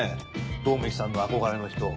百目鬼さんの憧れの人。